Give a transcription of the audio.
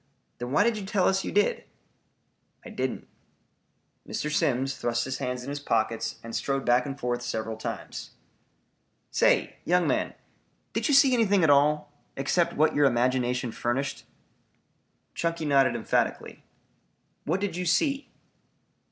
"Then why did you tell us you did?" "I didn't." Mr. Simms thrust his hands in his pockets and strode back and forth several times. "Say, young man, did you see anything at all, except what your imagination furnished?" Chunky nodded emphatically. "What did you see?"